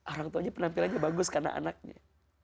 orang tuanya penampilannya bagus karena anaknya